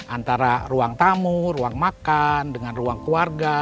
antara ruang tamu ruang makan dengan ruang keluarga